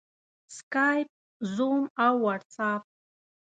سکایپ، زوم او واټساپ